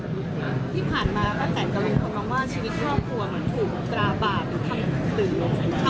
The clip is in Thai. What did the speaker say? ที่ผ่านมาตั้งแต่กระวังความว่าชีวิตครอบครัวมันถูกกระบาดเป็นคำสื่อ